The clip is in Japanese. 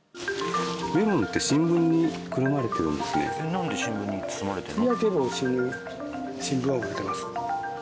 なんで新聞に包まれてるの？